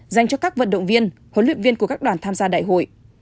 dành cho các vận động viên huấn luyện viên của các đoàn tham gia đại hội